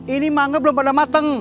ini mangga belum pada matang